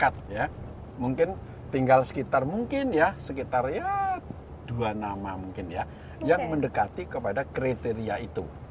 mungkin tinggal sekitar mungkin ya sekitar ya dua nama mungkin ya yang mendekati kepada kriteria itu